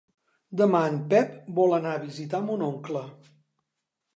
Demà en Pep vol anar a visitar mon oncle.